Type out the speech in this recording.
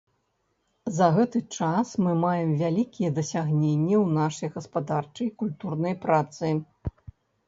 За гэты час мы маем вялікія дасягненні ў нашай гаспадарчай, культурнай працы.